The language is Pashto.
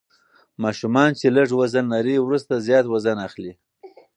ماشومان چې لږ وزن لري وروسته زیات وزن اخلي.